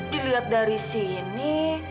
diliat dari sini